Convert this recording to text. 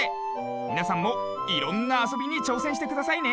みなさんもいろんなあそびにちょうせんしてくださいね。